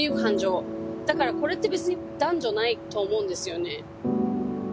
だからこれって別に男女ないと思うんですよね。